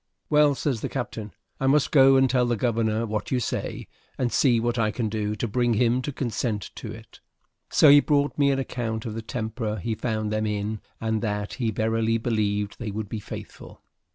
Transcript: "Well," says the captain, "I must go and tell the governor what you say, and see what I can do to bring him to consent to it." So he brought me an account of the temper he found them in and that he verily believed they would be faithful.